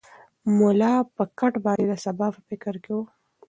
ملا پر کټ باندې د سبا په فکر کې و.